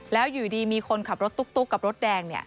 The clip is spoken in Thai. แล้วอยู่ดีมีคนขับรถตุ๊กกับรถแดงเนี่ย